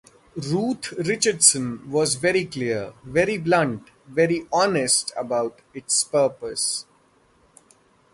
Ruth Richardson was very clear, very blunt, very honest about its purpose.